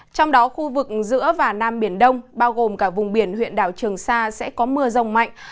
trong đó khu vực giữa và nam biển đông bao gồm cả vùng biển huyện đảo trường sa sẽ có mưa rông mạnh